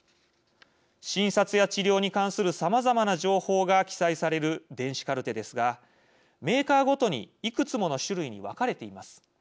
診察や治療に関するさまざまな情報が記載される電子カルテですがメーカーごとにいくつもの種類に分かれています。